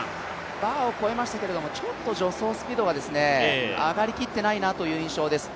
バーを越えましたけれども、ちょっと助走スピードが上がりきっていないなという印象です。